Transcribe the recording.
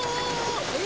え？